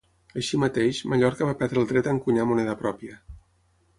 Així mateix, Mallorca va perdre el dret a encunyar moneda pròpia.